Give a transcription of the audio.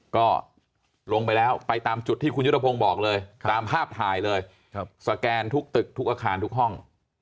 ก็ลงไปแล้วไปตามจุดที่คุณยุทธพงศ์บอกเลยตามภาพถ่ายเลยสแกนทุกตึกทุกอาคารทุกห้อง